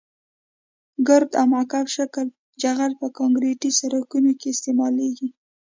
ګرد او مکعب شکله جغل په کانکریټي سرکونو کې استعمالیږي